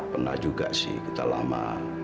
pernah juga sih kita lama